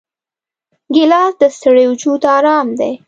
ګیلاس د ستړي وجود آرام دی.